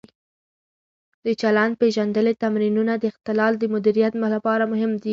د چلند-پېژندنې تمرینونه د اختلال د مدیریت لپاره مهم دي.